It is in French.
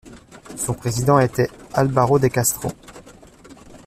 Son président était Álvaro de Castro.